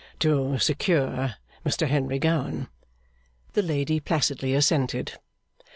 'To secure Mr Henry Gowan?' The lady placidly assented.